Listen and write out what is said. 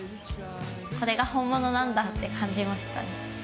これが本物なんだって感じましたね。